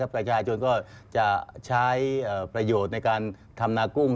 ประชาชนก็จะใช้ประโยชน์ในการทำนากุ้ง